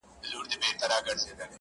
وه منشي زما لالي ته وليکه چيټۍ